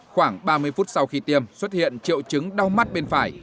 khoảng ba mươi phút sau khi tiêm xuất hiện triệu chứng đau mắt bên phải